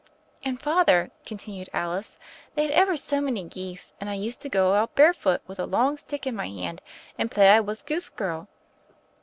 "And, Father," continued Alice, "they had ever so many geese, and I used to go out bare foot with a long stick in my hand and play I was goose girl.